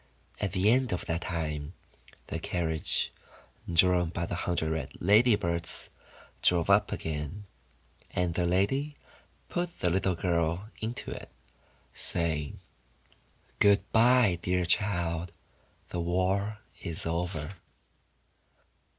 At the end of that time, the carriage drawn by the hundred red Ladybirds, drove up again, and the lady put the little girl into it, saying: — 'Good bye, dear child, the war is over."